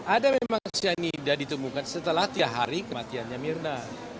ada memang sianida ditemukan setelah tiah hari kematiannya mirna